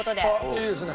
いいですね。